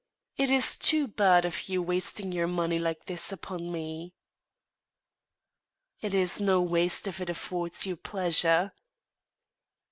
It is too bad of you wasting your money like this upon me." "It is no waste, if it afford you pleasure."